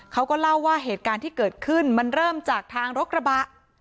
เขาก็เล่าว่าเหตุการณ์ที่เกิดขึ้นมันเริ่มจากทางรถกระบะ